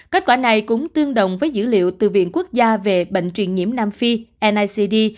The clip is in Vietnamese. kết quả này cũng tương đồng với dữ liệu từ viện quốc gia về bệnh truyền nhiễm nam phid